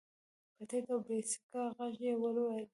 په ټيټ او بې سېکه غږ يې وويل.